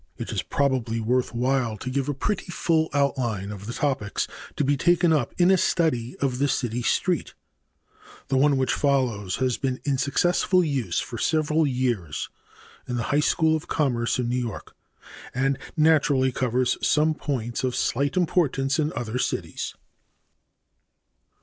It is probably worth while to give a pretty full outline of the topics to be taken up in a study of the city street. The one which follows has been in successful use for several years in the High School of Commerce in New York, and naturally covers some points of slight importance in other cities.